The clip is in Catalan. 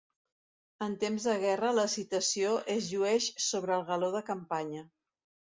En temps de guerra la citació es llueix sobre el galó de campanya.